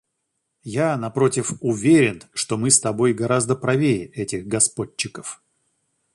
Я, напротив, уверен, что мы с тобой гораздо правее этих господчиков.